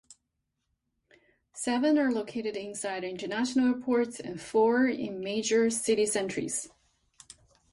Seven are located inside international airports and four in major city centres.